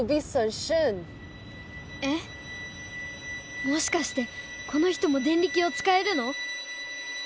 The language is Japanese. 心の声もしかしてこの人もデンリキをつかえるの？